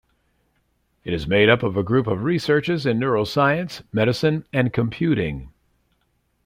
It is made up of a group of researchers in neuroscience, medicine, and computing.